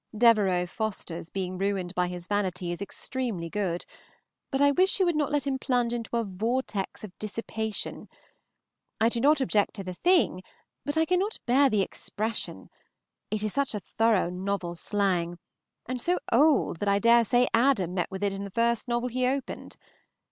Devereux Forester's being ruined by his vanity is extremely good, but I wish you would not let him plunge into a "vortex of dissipation." I do not object to the thing, but I cannot bear the expression; it is such thorough novel slang, and so old that I dare say Adam met with it in the first novel he opened.